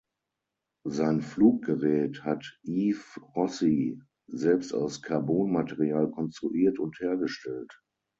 Sein Fluggerät hat Yves Rossy selbst aus Carbon-Material konstruiert und hergestellt.